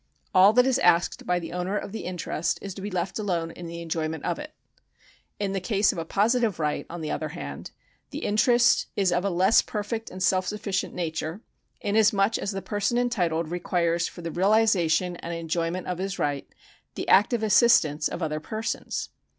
All that is asked by the owner of the interest is to be left alone in the enjoyment of it. In the case of a positive right, on the other hand, the interest is of a less perfect and self sufficient nature, inasmuch as the person entitled requires for the realisation and enjoyment of his right the active assistance of other persons.